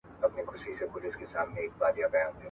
سياسي پرېکړې د هېواد راتلونکی جوړوي.